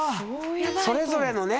それぞれのね